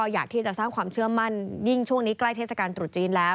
อยากที่จะสร้างความเชื่อมั่นยิ่งช่วงนี้ใกล้เทศกาลตรุษจีนแล้ว